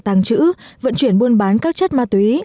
tàng trữ vận chuyển buôn bán các chất ma túy